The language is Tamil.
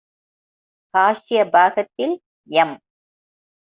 ஹாஸ்ய பாகத்தில் எம்.